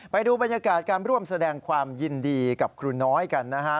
ไปดูบรรยากาศการร่วมแสดงความยินดีกับครูน้อยกันนะฮะ